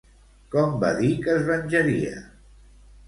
Com va dir que es venjaria?